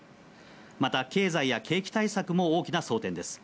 また、経済や景気対策も大きな争点です。